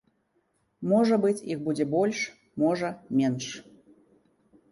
Можа быць, іх будзе больш, можа, менш.